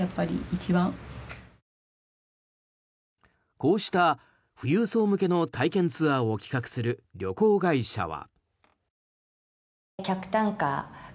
こうした富裕層向けの体験ツアーを企画する旅行会社は。